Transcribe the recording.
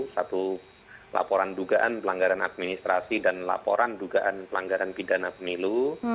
satu laporan dugaan pelanggaran administrasi dan laporan dugaan pelanggaran pidana pemilu